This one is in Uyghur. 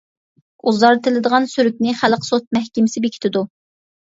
ئۇزارتىلىدىغان سۈرۈكنى خەلق سوت مەھكىمىسى بېكىتىدۇ.